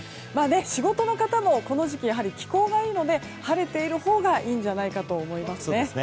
仕事の方もこの時期気候がいいので晴れているほうがいいんじゃないかと思いますね。